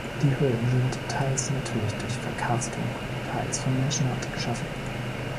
Die Höhlen sind teils natürlich durch Verkarstung, teils von Menschenhand geschaffen.